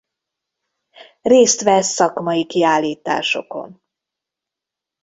Részt vesz szakmai kiállításokon.